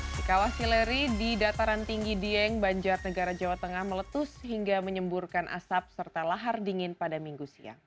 di kawah sileri di dataran tinggi dieng banjar negara jawa tengah meletus hingga menyemburkan asap serta lahar dingin pada minggu siang